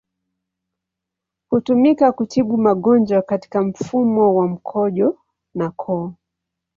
Hutumika kutibu magonjwa katika mfumo wa mkojo na koo.